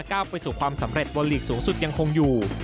ก้าวไปสู่ความสำเร็จบนลีกสูงสุดยังคงอยู่